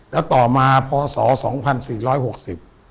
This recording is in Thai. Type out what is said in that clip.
แล้วต่อมาพศ๒๔๖๐